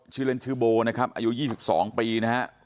ชื่อเล่นชื่อโบนะครับอายุ๒๒ปีนะฮะ